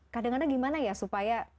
kadang kadang gimana ya supaya